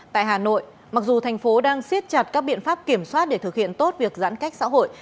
tại hà nội mặc dù thành phố đang siết chặt các biện pháp kiểm soát để thực hiện tốt việc giãn cách xã hội